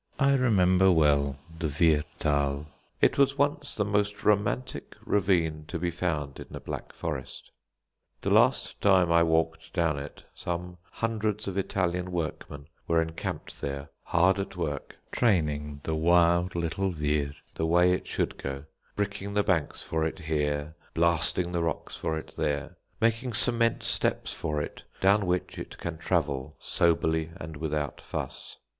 I remember well the Wehrthal. It was once the most romantic ravine to be found in the Black Forest. The last time I walked down it some hundreds of Italian workmen were encamped there hard at work, training the wild little Wehr the way it should go, bricking the banks for it here, blasting the rocks for it there, making cement steps for it down which it can travel soberly and without fuss.